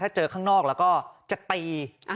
วันนั้นจะตี